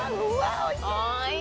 おいしい！